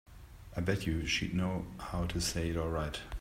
I bet you she'd know how to say it all right.